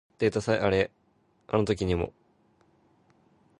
Moore is also known for his humanitarian work and philanthropy.